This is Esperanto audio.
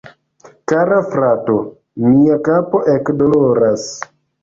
Kara frato, mia kapo ekdoloras